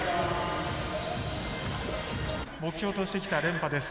目標としてきた連覇です。